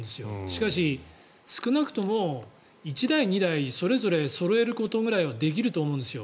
しかし、少なくとも１台、２台それぞれそろえることぐらいはできると思うんですよ。